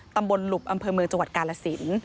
ตำบลหลุบอำเภอเมืองจังหวัดกาลสิน